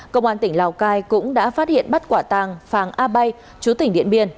công an tỉnh lào cai cũng đã phát hiện bắt quả tàng phàng a bay chú tỉnh điện biên